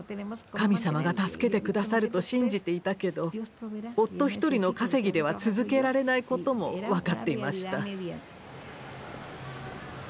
神様が助けてくださると信じていたけど夫一人の稼ぎでは続けられないことも分かっていました。